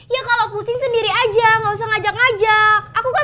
ya kalau pusing sendiri aja nggak usah ngajak ngajak aku kan mesti sekolah besok